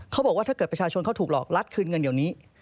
เขาบอกว่าถ้าเกิดประชาชนเขาถูกหลอกลัดคืนเงินเดี๋ยวนี้